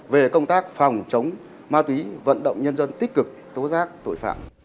về công tác phòng chống ma túy vận động nhân dân tích cực tố giác tội phạm